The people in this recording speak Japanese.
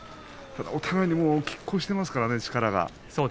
お互いにきっ抗していますからね力が。